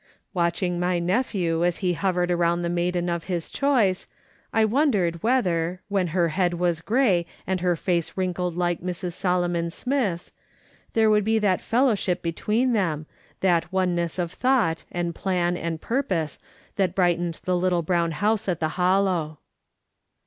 Watching my nephew as he hovered around tlie maiden of his choice, I wondered whether, when her head was grey and her face wrinkled like Mrs. Solomon Smith's, there would be that fellowship between them, that oneness of thought, and plan, and purpose, that brightened the little brown house at tlie Hollow.